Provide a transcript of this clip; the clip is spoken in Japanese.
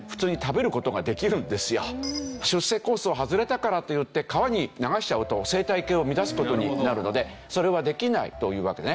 出世コースを外れたからといって川に流しちゃうと生態系を乱す事になるのでそれはできないというわけね。